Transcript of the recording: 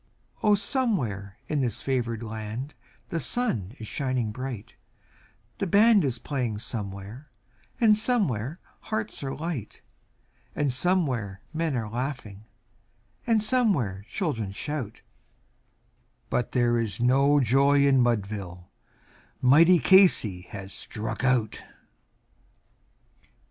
Oh! somewhere in this favored land the sun is shining bright, The band is playing somewhere, and somewhere hearts are light, And somewhere men are laughing, and somewhere children shout; But there is no joy in Mudville mighty Casey has "Struck Out."